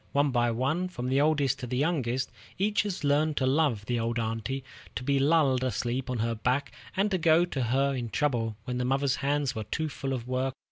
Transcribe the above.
One by one, from the oldest to the youngest, each has learned to love the old aunty, to be lulled asleep on her back, and to go to her in trouble when mother's hands were too full of work.